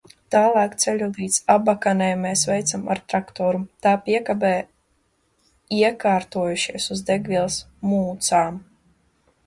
Tālāk ceļu līdz Abakanai mēs veicām ar traktoru, tā piekabē iekārtojušies uz degvielas mucām.